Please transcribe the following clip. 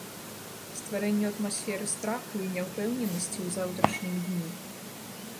Стварэнню атмасферы страху і няўпэўненасці ў заўтрашнім дні.